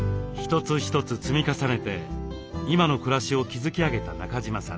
一つ一つ積み重ねて今の暮らしを築き上げた中島さん。